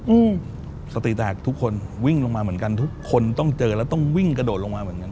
อืมสติแตกทุกคนวิ่งลงมาเหมือนกันทุกคนต้องเจอแล้วต้องวิ่งกระโดดลงมาเหมือนกัน